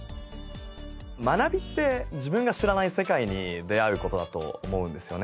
学びって自分が知らない世界に出会う事だと思うんですよね。